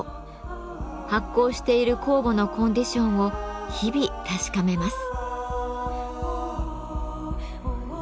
発酵している酵母のコンディションを日々確かめます。